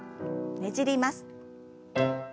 ねじります。